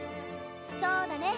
そうだね。